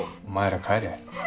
お前ら帰れ。